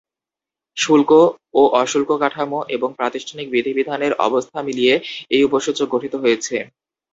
শুল্ক ও অশুল্ককাঠামো এবং প্রাতিষ্ঠানিক বিধিবিধানের অবস্থা মিলিয়ে এই উপসূচক গঠিত হয়েছে।